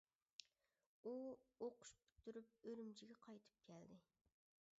ئۇ ئوقۇش پۈتتۈرۈپ ئۈرۈمچىگە قايتىپ كەلدى.